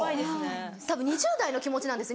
たぶん２０代の気持ちなんです。